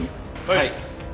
はい。